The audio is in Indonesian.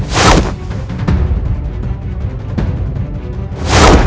semua yang cukup